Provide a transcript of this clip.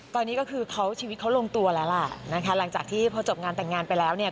ตอนนี้ก็คือเขาชีวิตเขาลงตัวแล้วล่ะนะคะหลังจากที่พอจบงานแต่งงานไปแล้วเนี่ย